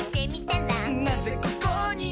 「なぜここに？」